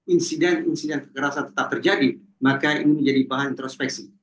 insiden insiden kekerasan tetap terjadi maka ini menjadi bahan introspeksi